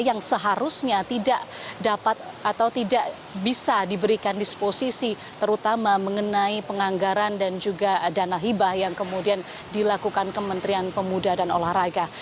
yang seharusnya tidak dapat atau tidak bisa diberikan disposisi terutama mengenai penganggaran dan juga dana hibah yang kemudian dilakukan kementerian pemuda dan olahraga